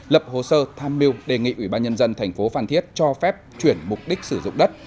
lập hồ sơ tham mưu đề nghị ủy ban nhân dân thành phố phan thiết cho phép chuyển mục đích sử dụng đất